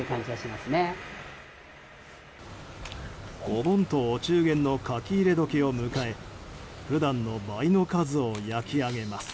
お盆とお中元の書き入れ時を迎え普段の倍の数を焼き上げます。